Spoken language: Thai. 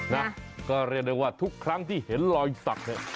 นะก็เรียกได้ว่าทุกครั้งที่เห็นรอยสักเนี่ย